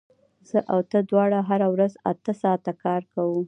زه او ته دواړه هره ورځ اته ساعته کار کوو